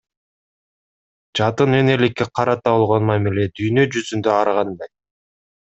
Жатын энеликке карата болгон мамиле дүйнө жүзүндө ар кандай.